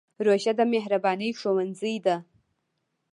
روژه د مهربانۍ ښوونځی دی.